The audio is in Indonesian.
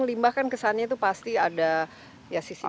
limbah kan kesannya itu pasti ada ya sisi negatifnya